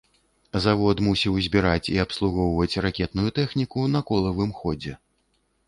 Завод мусіў збіраць і абслугоўваць ракетную тэхніку на колавым ходзе.